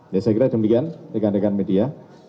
ya saya kira demikian rekan rekan media